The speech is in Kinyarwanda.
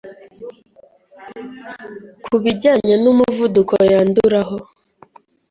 ku bijyanye n'umuvuduko yanduraho